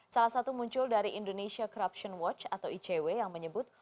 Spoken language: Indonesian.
salah satu muncul dari indonesia corruption watch atau icw yang menyebut